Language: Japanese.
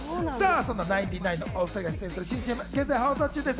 そんなナインティナインのお２人が出演する新ＣＭは現在放送中です。